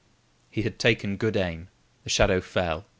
He had taken good aim. The shadow fell.